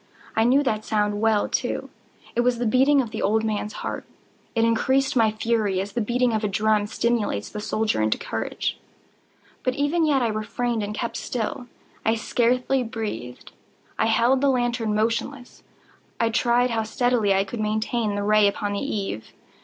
I knew that sound well, too. It was the beating of the old man's heart. It increased my fury, as the beating of a drum stimulates the soldier into courage. But even yet I refrained and kept still. I scarcely breathed. I held the lantern motionless. I tried how steadily I could maintain the ray upon the eve.